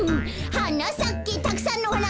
「はなさけたくさんのはな」